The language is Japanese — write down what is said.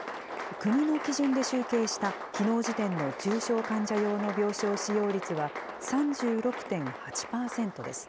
国の基準で集計したきのう時点の重症患者用の病床使用率は３６．８％です。